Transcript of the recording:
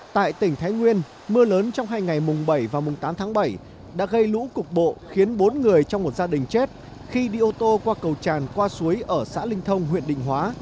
tại tỉnh thái nguyên mưa lớn trong hai ngày mùng bảy và mùng tám tháng bảy đã gây lũ cục bộ khiến bốn người trong một gia đình chết khi đi ô tô qua cầu tràn qua suối ở xã linh thông huyện định hóa